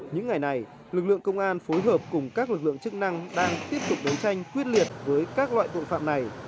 những ngày này lực lượng công an phối hợp cùng các lực lượng chức năng đang tiếp tục đấu tranh quyết liệt với các loại tội phạm này